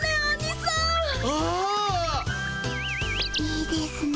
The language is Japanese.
いいですね